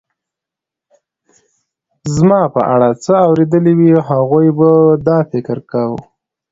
زما په اړه څه اورېدلي وي، هغوی به دا فکر کاوه.